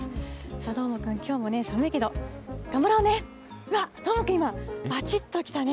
どーもくん、きょうも寒いけど頑張ろうね。